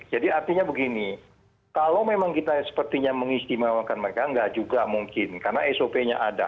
jadi artinya begini kalau memang kita sepertinya mengistimewakan mereka nggak juga mungkin karena sop nya ada